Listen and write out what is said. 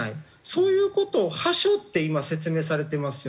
そういう事をはしょって今説明されていますよね。